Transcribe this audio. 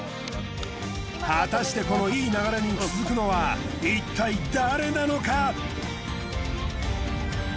果たしてこのいい流れに続くのはいったい誰なのか？